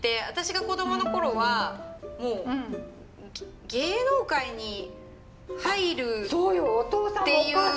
私が子どもの頃はもう芸能界に入るっていう。